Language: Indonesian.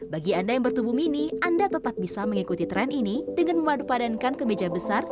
bagi anda yang bertubuh mini anda tetap bisa mengikuti tren ini dengan memadupadankan kemeja besar